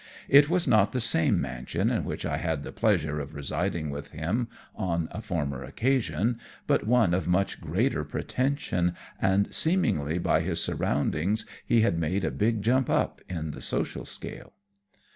It was not the same mansion in which I had the pleasure of residing with him on a former occasion, but one of much greater pretension, and, seemingly by his surroundings, he had made a big jump up in the social scale.